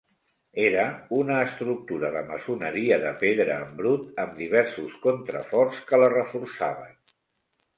Era una estructura de maçoneria de pedra en brut amb diversos contraforts que la reforçaven.